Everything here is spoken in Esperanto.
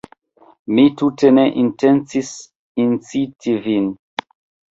Mi tute ne intencis inciti Vin!